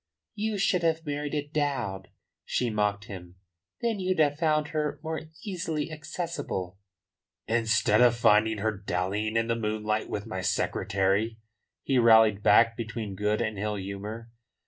"You should have married a dowd," she mocked him. "Then you'd have found her more easily accessible." "Instead of finding her dallying in the moonlight with my secretary," he rallied back between good and ill humour.